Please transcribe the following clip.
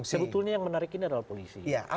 sebetulnya yang menarik ini adalah polisi